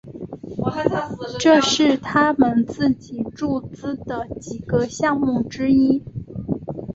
这是他们自己注资的几个项目之一。